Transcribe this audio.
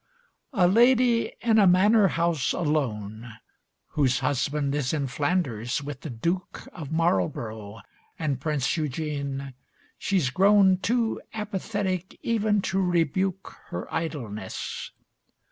III A lady in a Manor house, alone, Whose husband is in Flanders with the Duke Of Marlborough and Prince Eugene, she's grown Too apathetic even to rebuke Her idleness.